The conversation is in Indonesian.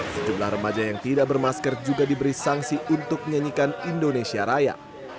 sejumlah remaja yang tidak bermasker juga diberi sanksi untuk menyanyikan indonesia raya